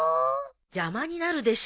邪魔になるでしょ。